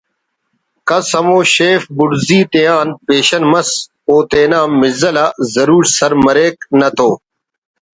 کس ہمو شیف بڑزی تیان پیشن مس او تینا مزل آضرور سر مریک نہ تو